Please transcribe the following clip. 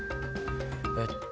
えっと